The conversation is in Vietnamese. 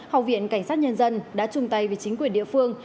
học viện cảnh sát nhân dân đã chung tay với chính quyền địa phương